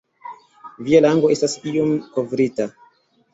Via lango estas iom kovrita.